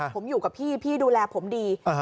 ผมอยู่กับพี่พี่ดูแลผมดี